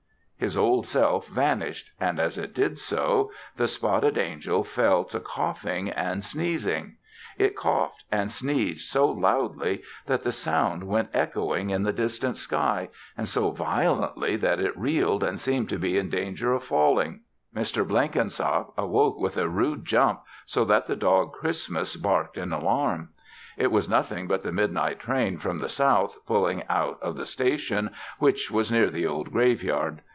His Old Self vanished and, as it did so, the spotted angel fell to coughing and sneezing. It coughed and sneezed so loudly that the sound went echoing in the distant sky and so violently that it reeled and seemed to be in danger of falling. Mr. Blenkinsop awoke with a rude jump so that the dog Christmas barked in alarm. It was nothing but the midnight train from the south pulling out of the station which was near the old graveyard.